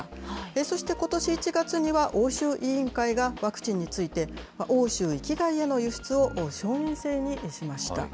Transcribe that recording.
そしてことし１月には欧州委員会がワクチンについて、欧州域外への輸出を承認制にしました。